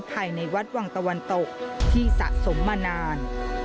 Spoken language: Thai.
ภายในวัดวังตะวันตกที่สะสมมานาน